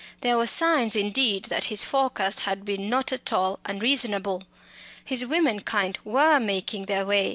There were signs indeed that his forecast had been not at all unreasonable. His womenkind were making their way.